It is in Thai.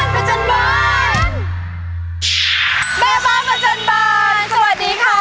อ๋อมจักราวใจพูดสวัสดีค่ะ